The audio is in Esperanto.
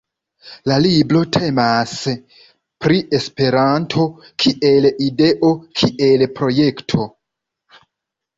La libro temas pri Esperanto kiel ideo, kiel projekto.